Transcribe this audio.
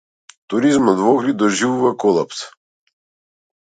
Туризмот во Охрид доживува колапс.